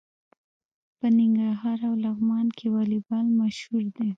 په ننګرهار او لغمان کې والیبال مشهور دی.